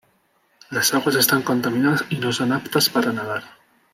Las aguas están contaminadas y no son aptas para nadar.